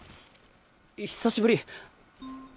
久しぶり。